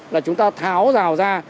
là chúng ta tháo rào ra